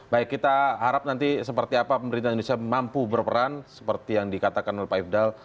baik kita harap nanti seperti apa pemerintah indonesia mampu berperan seperti yang dikatakan oleh pak ifdal